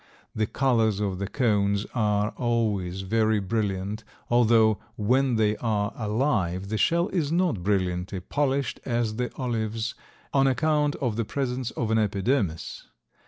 The colors of the cones are always very brilliant, although when they are alive the shell is not brilliantly polished as the olives, on account of the presence of an epidermis.